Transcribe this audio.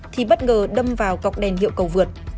thì bất ngờ đâm vào cọc đèn hiệu cầu vượt